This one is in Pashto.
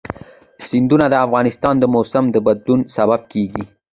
سیندونه د افغانستان د موسم د بدلون سبب کېږي.